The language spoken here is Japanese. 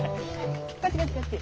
こっちこっちこっち。